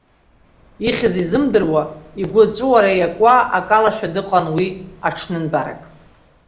Ихьыз изымдыруа, игәы аҵәыуара иакуа, акалашәа дыҟан уи аҽнынтәарак.